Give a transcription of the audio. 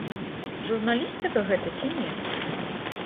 Журналістыка гэта ці не?